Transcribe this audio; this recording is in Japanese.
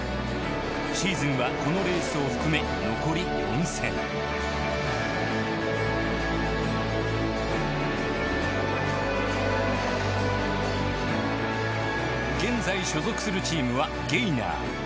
シーズンはこのレースを含め残り４戦現在所属するチームはゲイナー。